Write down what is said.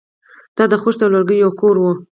دا د خښتو او لرګیو یو کور و